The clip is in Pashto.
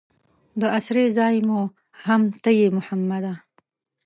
د اسرې ځای مو هم ته یې محمده.